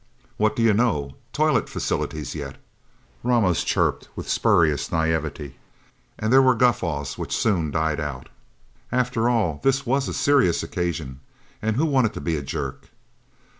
"What do yuh know toilet facilities, yet!" Ramos chirped with spurious naivete, and there were guffaws which soon died out. After all, this was a serious occasion, and who wanted to be a jerk?